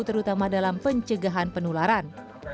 terutama dalam pencegahan penularan